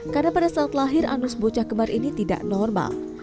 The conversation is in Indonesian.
karena pada saat lahir anus bocah kemar ini tidak normal